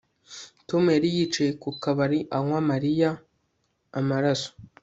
umwirondoro w utora wanditse ku ilisiti aba